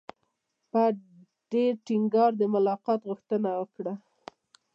په ډېر ټینګار د ملاقات غوښتنه وکړه.